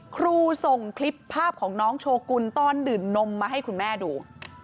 ครูส่งคลิปภาพของน้องโชกุลตอนดื่มนมมาให้คุณแม่ดู